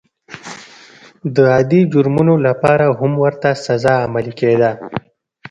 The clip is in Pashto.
د عادي جرمونو لپاره هم ورته سزا عملي کېده.